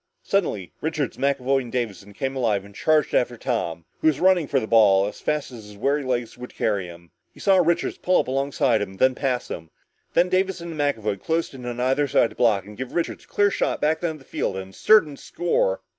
Suddenly Richards, McAvoy and Davison came alive and charged after Tom, who was running for the ball as fast as his weary legs would carry him. He saw Richards pull up alongside of him, then pass him. Then Davison and McAvoy closed in on either side to block and give Richards a clear shot back down the field and a certain score.